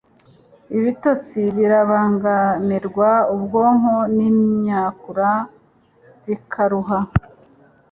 ibitotsi birabangamirwa ubwonko nimyakura bikaruha